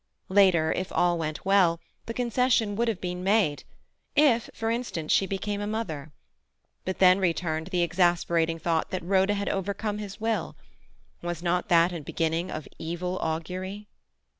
Later, if all went well, the concession could have been made—if, for instance, she became a mother. But then returned the exasperating thought that Rhoda had overcome his will. Was not that a beginning of evil augury?